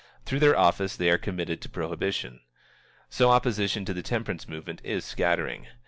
Through their office they are committed to prohibition. So opposition to the temperance movement is scattering.